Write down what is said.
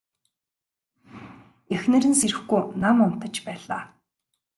Эхнэр нь сэрэхгүй нам унтаж байлаа.